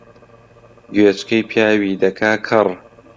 گوێچکەی پیاوی دەکا کەڕ